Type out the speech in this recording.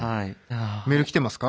メール来てますか？